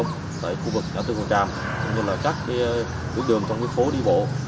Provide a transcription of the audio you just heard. như các đường phố đi bộ